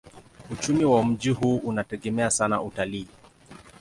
Uchumi wa mji huu unategemea sana utalii.